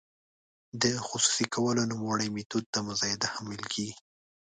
د خصوصي کولو نوموړي میتود ته مزایده هم ویل کیږي.